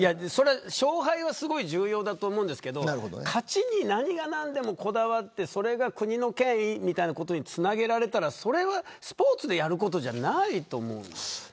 勝敗は重要だと思うんですけど勝ちに何が何でもこだわってそれが国の権威みたいなことにつなげられたらそれは、スポーツでやることじゃないと思うんです。